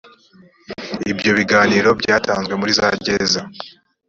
ibyo biganiro byatanzwe muri za gereza .